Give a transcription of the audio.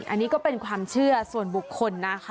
อันนี้ก็เป็นความเชื่อส่วนบุคคลนะคะ